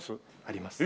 あります。